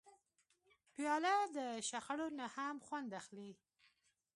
پیاله د شخړو نه هم خوند اخلي.